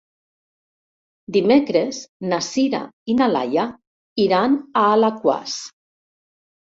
Dimecres na Sira i na Laia iran a Alaquàs.